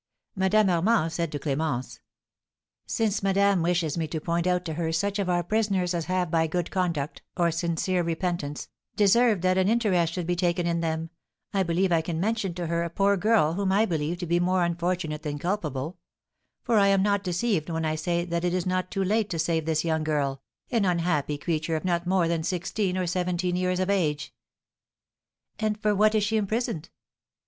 Madame Armand said to Clémence: "Since madame wishes me to point out to her such of our prisoners as have by good conduct, or sincere repentance, deserved that an interest should be taken in them, I believe I can mention to her a poor girl whom I believe to be more unfortunate than culpable; for I am not deceived when I say that it is not too late to save this young girl, an unhappy creature of not more than sixteen or seventeen years of age." "And for what is she imprisoned?"